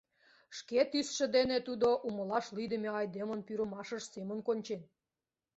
Шке тӱсшӧ дене тудо умылаш лийдыме айдемын пӱрымашыж семын кончен.